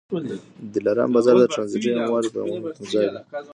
د دلارام بازار د ټرانزیټي اموالو یو مهم تمځای دی.